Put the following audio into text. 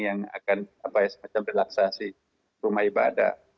yang akan semacam relaksasi rumah ibadah